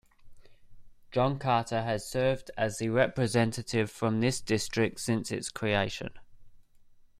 John Carter has served as the representative from this district since its creation.